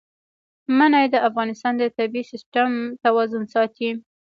منی د افغانستان د طبعي سیسټم توازن ساتي.